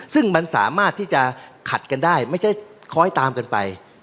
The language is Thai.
ซึ่งมันสามารถที่จะขัดกันได้ไม่ใช่ค้อยตามกันไป